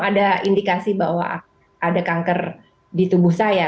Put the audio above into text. saya sudah apa belum ada indikasi bahwa ada kanker di tubuh saya